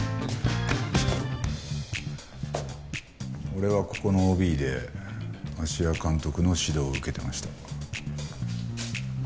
俺はここのＯＢで芦屋監督の指導を受けてました。